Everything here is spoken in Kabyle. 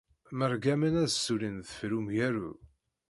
Mṛeggamen ad ssullin deffir umgaru.